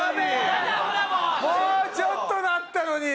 もうちょっとだったのに！